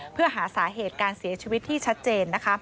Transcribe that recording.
เพื่อหาสาเหตุการเสียชีวิตที่ชัดเจนนะคะ